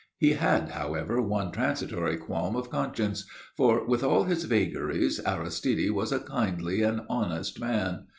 He had, however, one transitory qualm of conscience, for, with all his vagaries, Aristide was a kindly and honest man.